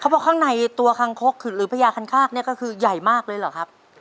เขาบอกข้างในตัวคังคกหรือพญาคันฆาตก็คือใหญ่มากเลยหรือครับ